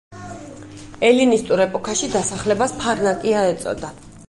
ელინისტურ ეპოქაში დასახლებას ფარნაკია ეწოდა.